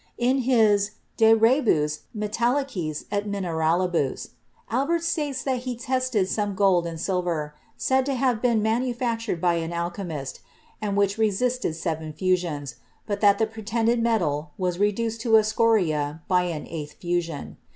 In his "De Rebus Metallicis et Mineralibus," Albert states that he tested some gold and silver, said to have been manufactured by an alchemist, and which resisted seven fusions, but that the pretended metal was reduced to a scoria by an eighth fusion.